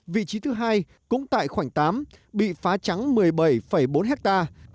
vị trí thứ hai cũng tại khoảnh tám bị phá trắng một mươi bảy bốn hectare